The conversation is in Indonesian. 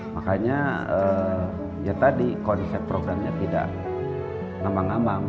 makanya ya tadi konsep programnya tidak ngambang ngambang